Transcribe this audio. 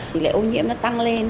thì lệ ô nhiễm nó tăng lên